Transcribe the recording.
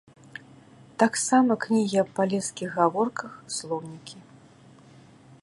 Так сама кнігі аб палескіх гаворках, слоўнікі.